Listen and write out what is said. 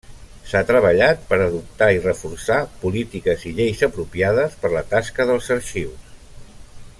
S'ha treballat per adoptar i reforçar polítiques i lleis apropiades per la tasca dels arxius.